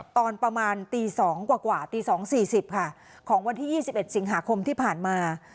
ตอนประมาณตี๒กว่าตี๒๔๐ค่ะของวันที่๒๑สิงหาคมที่ผ่านมา